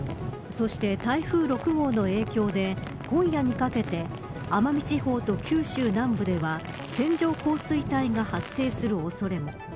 そして、台風６号の影響で今夜にかけて奄美地方と九州南部では線状降水帯が発生する恐れも。